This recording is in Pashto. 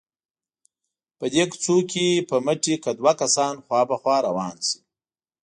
په دې کوڅو کې په مټې که دوه کسان خوا په خوا روان شي.